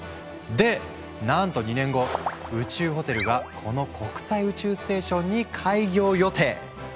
でなんと２年後宇宙ホテルがこの国際宇宙ステーションに開業予定！